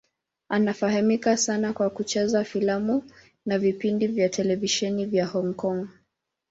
Anafahamika sana kwa kucheza filamu na vipindi vya televisheni vya Hong Kong.